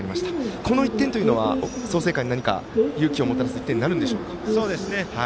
この１点というのは創成館に何か勇気をもたらす１点になるんでしょうか。